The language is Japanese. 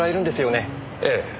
ええ。